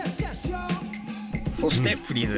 そしてフリーズ。